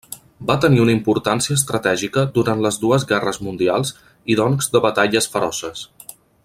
Va tenir una importància estratègica durant les dues guerres mundials i doncs de batalles feroces.